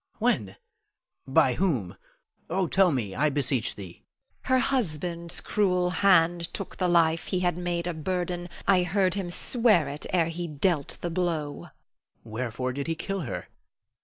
When? By whom? Oh, tell me I beseech thee! Norna. Her husband's cruel hand took the life he had made a burden. I heard him swear it ere he dealt the blow. Louis. Wherefore did he kill her?